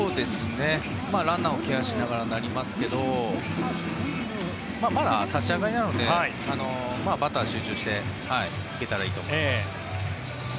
ランナーをケアしながらになりますけどまだ立ち上がりなのでバッターに集中していったらいいと思います。